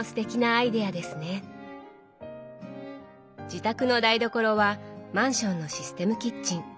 自宅の台所はマンションのシステムキッチン。